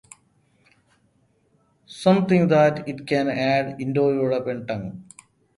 Some think that it was an Indo-European tongue.